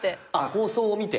放送を見て？